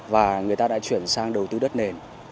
và người ta đã chuyển sang đầu tư đất nền